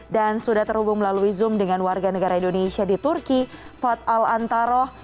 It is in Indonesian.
dan sudah terhubung melalui zoom dengan warga negara indonesia di turki fad al antaroh